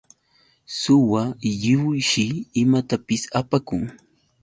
Suwa lliwshi imatapis apakun.